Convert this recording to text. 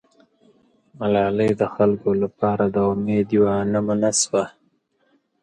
ملالۍ د خلکو لپاره د امید یوه نمونه سوه.